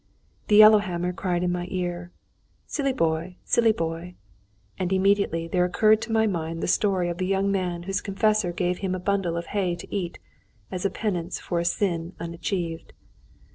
The yellow hammer cried in my ear, "Silly boy, silly boy!" And immediately there occurred to my mind the story of the young man whose confessor gave him a bundle of hay to eat as a penance for a sin unachieved.